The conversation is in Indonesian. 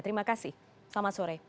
terima kasih selamat sore